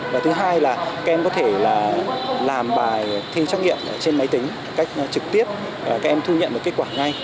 và thứ hai là các em có thể làm bài thi trắc nghiệm trên máy tính cách trực tiếp các em thu nhận được kết quả ngay